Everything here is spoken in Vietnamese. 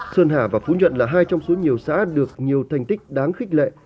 sơn hà và phú nhuận là hai trong số nhiều xã được nhiều thành tích đáng khích lệ